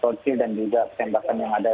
kecil dan juga tembakan yang ada